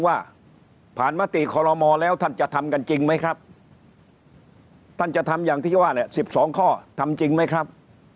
ว่าผ่านมติคอลโมแล้วท่านจะทำกันจริงไหมครับท่านจะทำอย่างที่ว่าแหละ๑๒ข้อทำจริงไหมครับ